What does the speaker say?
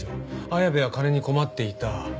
綾部は金に困っていた。